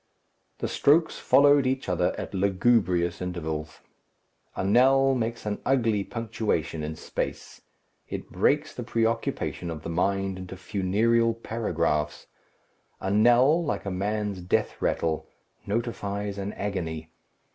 The strokes followed each other at lugubrious intervals. A knell makes an ugly punctuation in space. It breaks the preoccupation of the mind into funereal paragraphs. A knell, like a man's death rattle, notifies an agony.